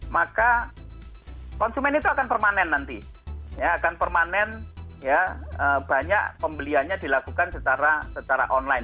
maka konsumen itu akan permanen nanti akan permanen ya banyak pembeliannya dilakukan secara online